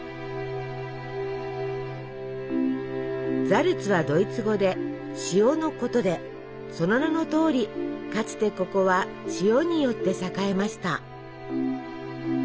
ザルツはドイツ語で「塩」のことでその名のとおりかつてここは塩によって栄えました。